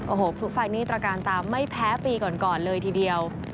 โอ้โหทุกฝ่ายนิตรการตามไม่แพ้ปีก่อนเลยทีเดียว